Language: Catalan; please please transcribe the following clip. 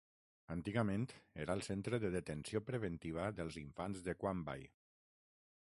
Antigament era el Centre de detenció preventiva dels infants de Quamby.